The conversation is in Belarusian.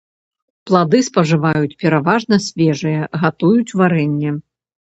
Плады спажываюць пераважна свежыя, гатуюць варэнне.